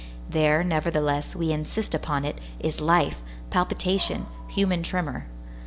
There, nevertheless, we insist upon it, is life, palpitation, human tremor.